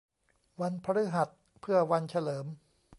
วันพฤหัสเพื่อวันเฉลิม